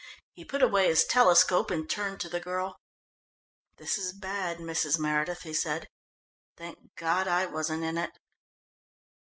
He put away his telescope and turned to the girl. "This is bad, Mrs. Meredith," he said. "Thank God I wasn't in it."